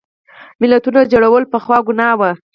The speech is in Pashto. ملتونو جوړول پخوا ګناه وه.